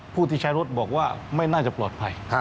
ผู้ที่ใช้รถบอกว่าไม่น่าจะปลอดภัย